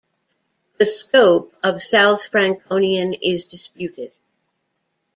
The scope of South Franconian is disputed.